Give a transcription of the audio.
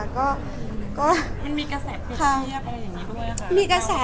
พอเสร็จจากเล็กคาเป็ดก็จะมีเยอะแยะมากมาย